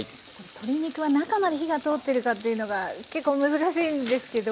鶏肉は中まで火が通ってるかっていうのが結構難しいんですけど。